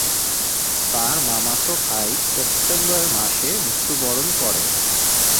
তার মামাতো ভাই সেপ্টেম্বর মাসে মৃত্যুবরণ করে।